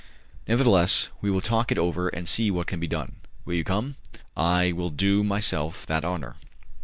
Nevertheless, we will talk it over and see what can be done. Will you come?" "I will do myself that honour."